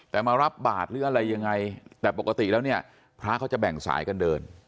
แต่มารับบาทหรืออะไรยังไงแต่ปกติแล้วเนี่ยพระเขาจะแบ่งสายกันเดิน